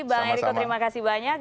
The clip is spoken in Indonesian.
bang eriko terima kasih banyak